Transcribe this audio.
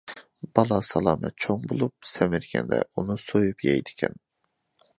بالا سالامەت چوڭ بولۇپ، سەمرىگەندە ئۇنى سويۇپ يەيدىكەن.